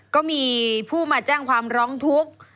ก็มีผู้มาแจ้งความร้องทุกข์